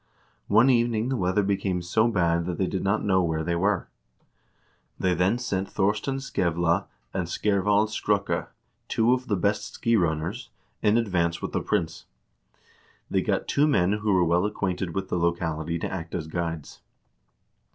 One evening the weather became so bad that they did not know where they were. They then sent Thorstein Skevla and Skervald Skrukka, two of the best ski runners, in advance with the prince; they got two men who were well acquainted with the lo cality to act as guides.